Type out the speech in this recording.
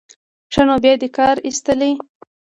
ښه نو بیا دې کار ایستلی.